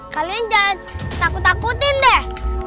kalian jangan takut takutin deh